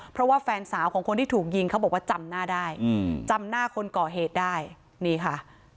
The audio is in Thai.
เพราะว่าแฟนสาวของคนที่ถูกยิงเขาบอกว่าจำหน้าได้จำหน้าคนก่อเหตุได้นี่ค่ะ